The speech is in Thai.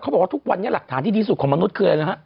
บอกว่าทุกวันนี้หลักฐานที่ดีสุดของมนุษย์คืออะไรนะฮะ